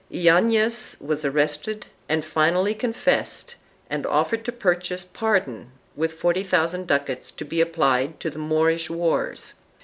Yanez was arrested and finally confessed and offered to pur chase pardon with 40,000 ducats to be applied to the Moorish wars.